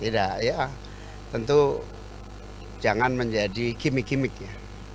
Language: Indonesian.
tidak ya tentu jangan menjadi gimmick gimmicknya